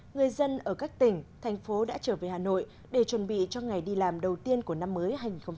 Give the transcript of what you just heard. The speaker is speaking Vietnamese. người dân ở các tỉnh thành phố đã trở về hà nội để chuẩn bị cho ngày đi làm đầu tiên của năm mới hai nghìn hai mươi